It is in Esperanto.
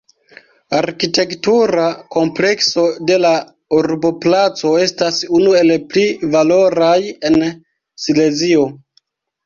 Arkitektura komplekso de la urboplaco estas unu el pli valoraj en Silezio.